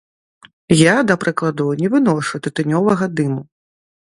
Я, да прыкладу, не выношу тытунёвага дыму.